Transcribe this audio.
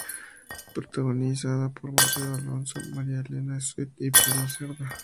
Protagonizada por Marcelo Alonso, María Elena Swett y Pablo Cerda.